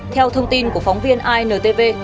theo thông tin của phóng viên intv